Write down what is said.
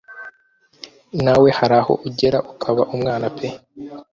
nawe haraho ugera ukaba umwana pe